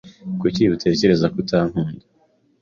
Kuki utekereza ko atankunda?